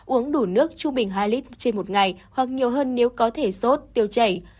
uống đủ nước trung bình hai lít trên một ngày hoặc nhiều hơn nếu có thể sốt tiêu chảy